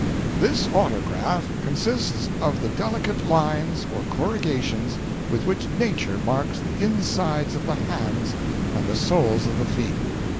] "This autograph consists of the delicate lines or corrugations with which Nature marks the insides of the hands and the soles of the feet.